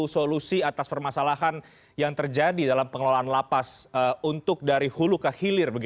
solusi atas permasalahan yang terjadi dalam pengelolaan lapas untuk dari hulu ke hilir